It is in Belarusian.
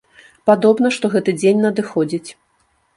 Падобна, што гэты дзень надыходзіць.